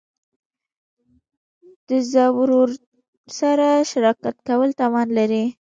د زورورو سره شراکت کول تاوان لري.